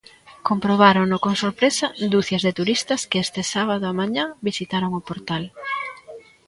Comprobárono con sorpresa ducias de turistas que este sábado á mañá visitaron o portal.